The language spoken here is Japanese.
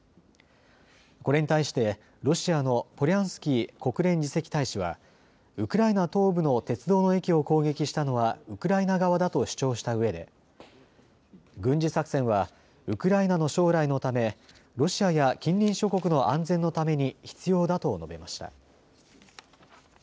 これに対してロシアのポリャンスキー国連次席大使はウクライナ東部の鉄道駅を攻撃したのはウクライナ側だと主張したうえで軍事作戦はウクライナの将来のためロシアや近隣諸国の安全のために必要だと述べました。